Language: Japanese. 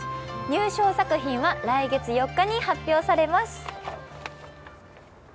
入賞作品は来月４日に発表されます